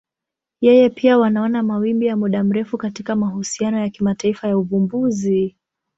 Yeye pia wanaona mawimbi ya muda mrefu katika mahusiano ya kimataifa ya uvumbuzi.